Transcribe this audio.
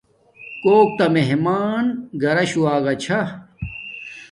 کوک تا مہمان گھراشو اگا چھا